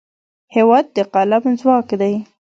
هېواد د قلم ځواک دی.